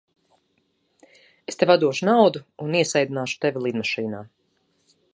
Es tev atdošu naudu un iesēdināšu tevi lidmašīnā.